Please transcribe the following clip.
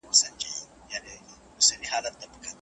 د بېځايه کېدو سره سره دا پاتې شو.